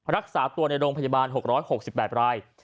รักษาตัวในโรงพยาบาล๖๖๘ราย